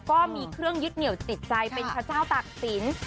ก็มีเครื่องยึดเหนียวจิตใจเป็นพระเจ้าตักศิลป์